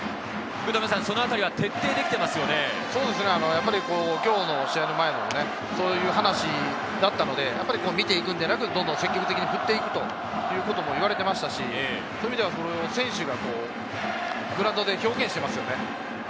そのあたりは徹底できて今日の試合の前もそういう話だったので、見ていくのではなく、どんどん積極的に振っていくということも言われていましたし、そういう意味では選手がグラウンドで表現していますね。